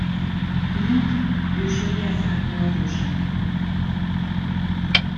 نور گوشه ای از صحنه را روشن می کند